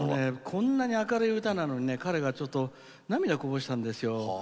こんなに明るい歌なのに彼が涙をこぼしたんですよ。